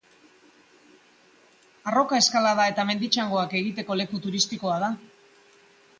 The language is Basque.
Arroka-eskalada eta mendi txangoak egiteko leku turistikoa da.